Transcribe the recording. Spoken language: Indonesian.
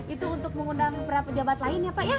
itu untuk mengundang berapa jabat lain ya pak ya